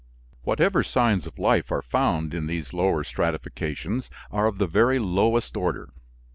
Whatever signs of life are found in these lower stratifications are of the very lowest order.